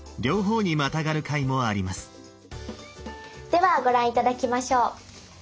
ではご覧頂きましょう。